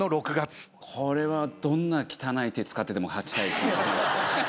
これはどんな汚い手使ってでも勝ちたいですね。